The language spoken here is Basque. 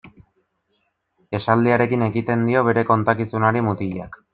Esaldiarekin ekiten dio bere kontakizunari mutilak.